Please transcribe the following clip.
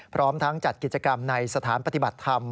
พร้อมทั้งจัดกิจกรรมในสถานปฏิบัติธรรม